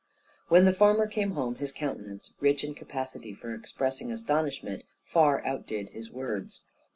When the farmer came home, his countenance, rich in capacity for expressing astonishment, far outdid his words.